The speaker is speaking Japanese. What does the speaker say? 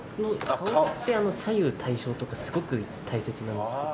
顔って左右対称とかすごく大切なんですけど。